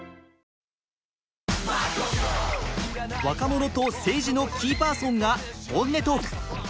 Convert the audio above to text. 若者と政治のキーパーソンが本音トーク。